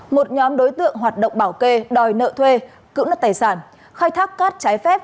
một nhóm đối tượng hoạt động bảo kê đòi nợ thuê cưỡng đất tài sản khai thác cát trái phép